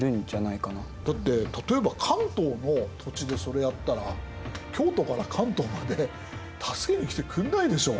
だって例えば関東の土地でそれやったら京都から関東まで助けに来てくんないでしょう？